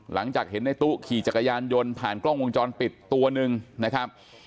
หลังจากเห็นในตู้ขี่จักรยานยนต์ผ่านกล้องวงจรปิดตัวหนึ่งนะครับ